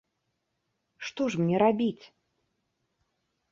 Што ж мне рабіць?